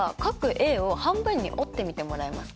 Ａを半分に折ってみてもらえますか？